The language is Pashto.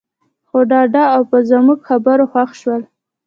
خو ډاډه او په زموږ خبرو خوښ شول.